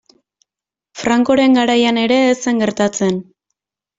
Francoren garaian ere ez zen gertatzen.